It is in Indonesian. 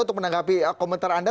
untuk menanggapi komentar anda